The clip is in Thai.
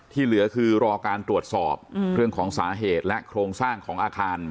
เหลือคือรอการตรวจสอบเรื่องของสาเหตุและโครงสร้างของอาคาร